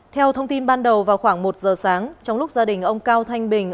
theo thông tin ban đầu vào khoảng một giờ sáng trong lúc gia đình ông cao thanh bình